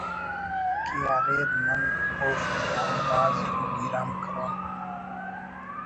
ک اریر نن اوفتے ہم بھاز زو گیرام کرون